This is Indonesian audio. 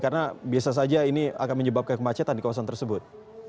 karena biasa saja ini akan menyebabkan kemacetan di kawasan tersebut